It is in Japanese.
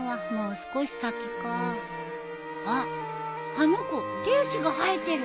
あの子手足が生えてる！